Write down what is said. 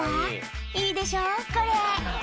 「いいでしょこれ」